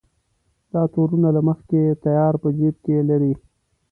دا تورونه له مخکې تیار په جېب کې لري.